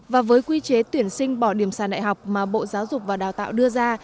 và với quy chế tuyển sinh bỏ điểm sàn đại học mà bộ giáo dục và đào tạo đưa ra